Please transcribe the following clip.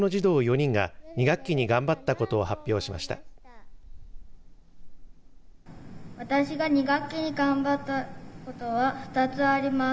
私が２学期に頑張ったことは２つあります。